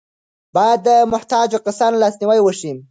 باید د محتاجو کسانو لاسنیوی وشي.